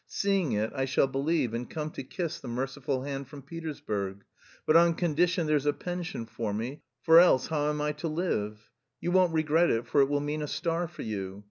Seeing it, I shall believe and come to kiss the merciful hand from Petersburg. But on condition there's a pension for me, for else how am I to live? You won't regret it for it will mean a star for you.